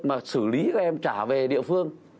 mà xử lý các em trả về địa phương